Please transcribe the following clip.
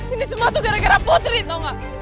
ini semua tuh gara gara putri tau gak